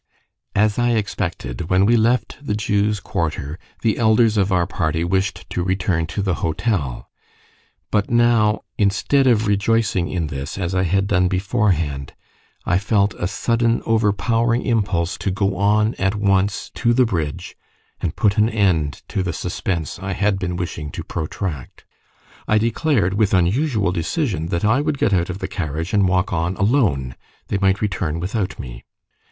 As I expected, when we left the Jews' quarter the elders of our party wished to return to the hotel. But now, instead of rejoicing in this, as I had done beforehand, I felt a sudden overpowering impulse to go on at once to the bridge, and put an end to the suspense I had been wishing to protract. I declared, with unusual decision, that I would get out of the carriage and walk on alone; they might return without me.